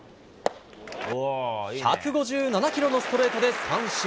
１５７キロのストレートで三振。